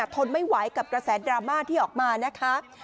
ทนไม่ไหวกับกระแสดราม่าที่ออกมานะคะ